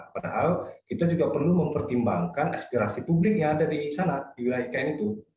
padahal kita juga perlu mempertimbangkan aspirasi publiknya dari sana di wilayah ikn itu